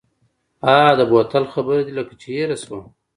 ها د بوتل خبره دې لکه چې هېره شوه.